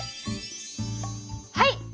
はい！